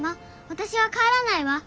私は帰らないわ。